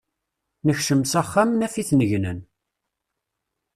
Nekcem s axxam, naf-iten gnen.